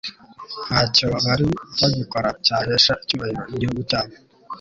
nta cyo bari bagikora cyahesha icyubahiro igihugu cyabo